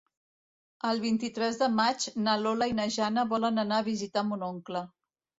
El vint-i-tres de maig na Lola i na Jana volen anar a visitar mon oncle.